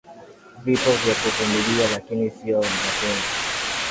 Vipo vya kuvumilia, lakini sio mapenzi